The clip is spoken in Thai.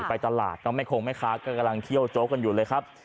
ไปตลาดก็ไม่คงแม่ค้าก็กำลังเที่ยวโจ๊กกันอยู่เลยครับ